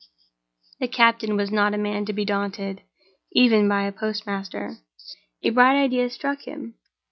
The captain was not a man to be daunted, even by a postmaster. A bright idea struck him.